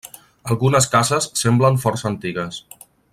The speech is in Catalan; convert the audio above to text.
Algunes cases semblen força antigues.